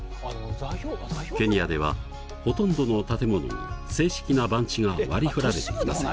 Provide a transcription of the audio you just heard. ケニアではほとんどの建物に正式な番地が割り振られていません。